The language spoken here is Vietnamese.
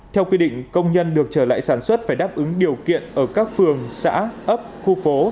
theo quy định công nhân được trở lại sản xuất phải đáp ứng điều kiện ở các phường xã ấp khu phố